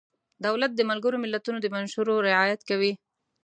دولت د ملګرو ملتونو د منشورو رعایت کوي.